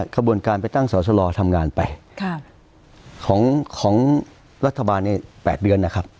ขบวนการไปตั้งสอสลอทำงานไปของรัฐบาลใน๘เดือนนะครับ